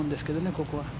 ここは。